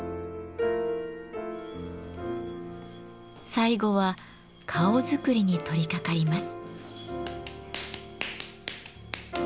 最後は顔づくりに取りかかります。